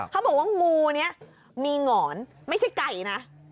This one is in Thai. เขาบอกว่างูนี้มีหงอนไม่ใช่ไก่นะ